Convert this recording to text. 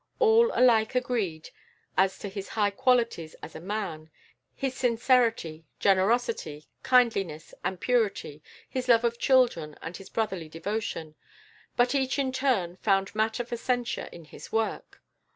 All alike agreed as to his high qualities as a man; his sincerity, generosity, kindliness, and purity, his love of children and his brotherly devotion; but each in turn found matter for censure in his work.